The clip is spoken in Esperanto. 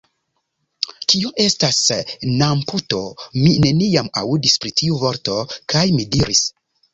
Kio estas namputo? Mi neniam aŭdis pri tiu vorto. kaj mi diris: